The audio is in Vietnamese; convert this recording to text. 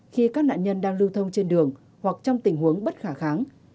khi các nạn nhân đang lưu thông trên đường hoặc trong tình huống bất khả kháng